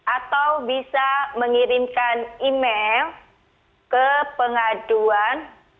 atau bisa mengirimkan email ke pengaduan